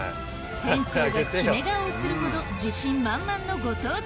店長が決め顔をするほど自信満々のご当地麺